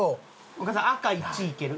お母さん赤１いける？